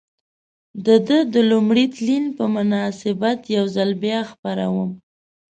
د ده د لومړي تلین په مناسبت یو ځل بیا خپروم.